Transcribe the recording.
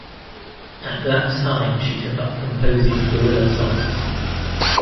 At that time she took up composing guerrilla songs.